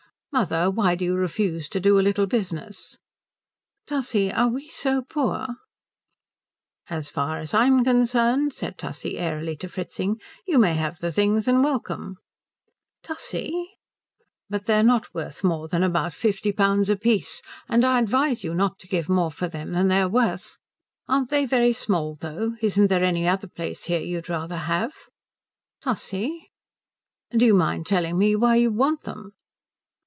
"Mother, why do you refuse to do a little business?" "Tussie, are we so poor?" "As far as I'm concerned," said Tussie airily to Fritzing, "you may have the things and welcome." "Tussie?" "But they are not worth more than about fifty pounds apiece, and I advise you not to give more for them than they're worth. Aren't they very small, though? Isn't there any other place here you'd rather have?" "Tussie?" "Do you mind telling me why you want them?"